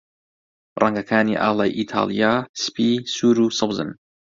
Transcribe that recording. ڕەنگەکانی ئاڵای ئیتاڵیا سپی، سوور، و سەوزن.